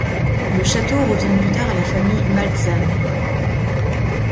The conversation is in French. Le château retourne plus tard à la famille Maltzahn.